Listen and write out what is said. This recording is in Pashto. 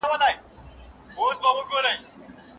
استاد د پوهي او علم په ارزښت ټینګار کوي.